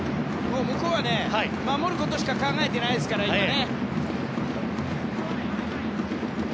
向こうは今守ることしか考えてないですからね。